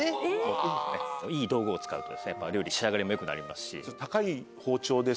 いい道具を使うと料理仕上がりもよくなりますし。